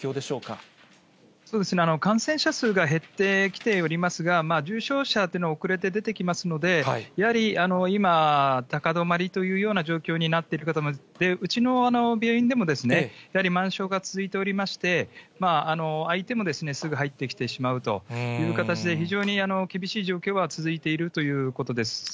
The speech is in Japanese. そうですね、感染者数が減ってきておりますが、重症者というのは遅れて出てきますので、やはり今、高止まりというような状況になってるかと、うちの病院でも、やはり満床が続いておりまして、空いてもすぐ入ってきてしまうという形で、非常に厳しい状況は続いているということです。